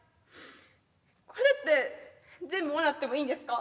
これって全部もらってもいいんですか？